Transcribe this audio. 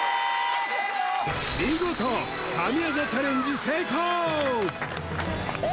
見事神業チャレンジ成功！